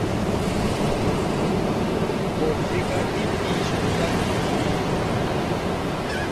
পত্রিকাটি দ্বি-সপ্তাহিক।